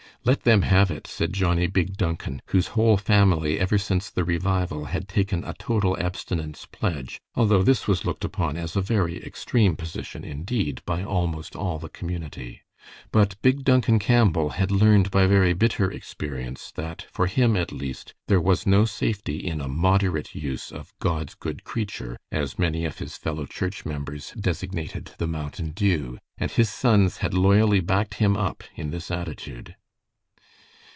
"Let them have it," said Johnnie Big Duncan, whose whole family ever since the revival had taken a total abstinence pledge, although this was looked upon as a very extreme position indeed, by almost all the community. But Big Duncan Campbell had learned by very bitter experience that for him, at least, there was no safety in a moderate use of "God's good creature," as many of his fellow church members designated the "mountain dew," and his sons had loyally backed him up in this attitude.